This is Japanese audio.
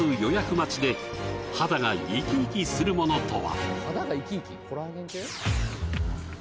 待ちで肌が生き生きするものとは？